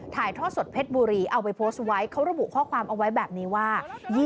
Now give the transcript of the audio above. ถ่ายทอดสดเพชรบุรีเอาไปโพสต์ไว้เขาระบุข้อความเอาไว้แบบนี้ว่า